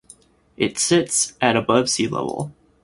It sits at above sea level.